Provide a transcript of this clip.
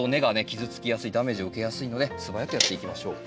傷つきやすいダメージを受けやすいので素早くやっていきましょう。